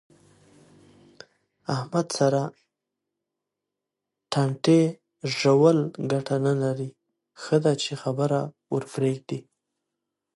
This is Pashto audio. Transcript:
احمد سره ټانټې ژول گټه نه کوي. ښه ده چې خبره ورپرېږدې.